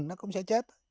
nó cũng sẽ chết